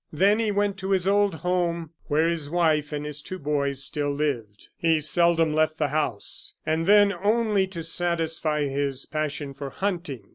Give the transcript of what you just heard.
Then he went to his old home, where his wife and his two boys still lived. He seldom left the house, and then only to satisfy his passion for hunting.